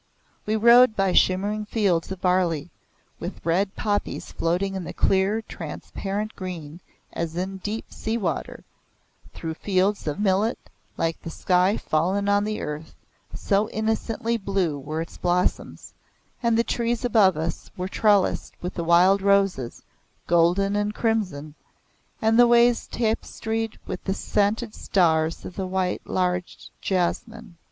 We rode by shimmering fields of barley, with red poppies floating in the clear transparent green as in deep sea water, through fields of millet like the sky fallen on the earth, so innocently blue were its blossoms, and the trees above us were trellised with the wild roses, golden and crimson, and the ways tapestried with the scented stars of the large white jasmine.